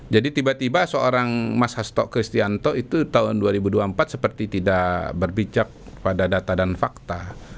jadi tiba tiba seorang mas hasto kristianto itu tahun dua ribu dua puluh empat seperti tidak berpijak pada data dan fakta